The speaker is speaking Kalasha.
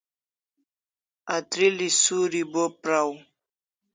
Atril'i suri bo praw